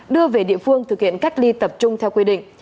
đưa về địa phương thực hiện cách ly tập trung theo quy định